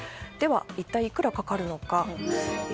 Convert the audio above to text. では一体いくらかかるのか。